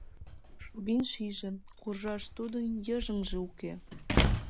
Шубин шиже: куржаш тудын йыжыҥже уке.